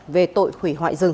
về tội hủy hoại rừng